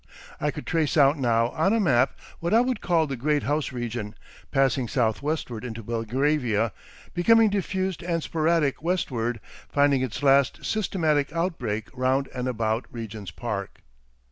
I could trace out now on a map what I would call the Great House region; passing south westward into Belgravia, becoming diffused and sporadic westward, finding its last systematic outbreak round and about Regent's Park.